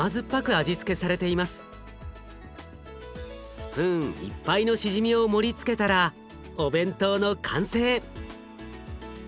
スプーンいっぱいのしじみを盛りつけたらお弁当の完成。